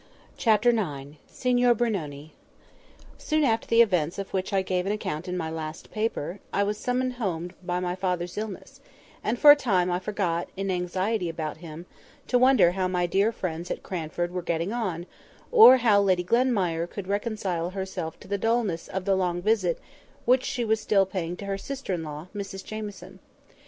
CHAPTER IX. SIGNOR BRUNONI SOON after the events of which I gave an account in my last paper, I was summoned home by my father's illness; and for a time I forgot, in anxiety about him, to wonder how my dear friends at Cranford were getting on, or how Lady Glenmire could reconcile herself to the dulness of the long visit which she was still paying to her sister in law, Mrs Jamieson.